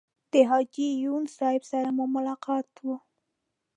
د حاجي یون صاحب سره مو ملاقات و.